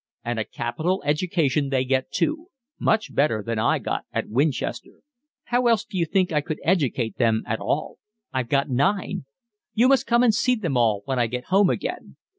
"And a capital education they get too, much better than I got at Winchester. How else do you think I could educate them at all? I've got nine. You must come and see them all when I get home again.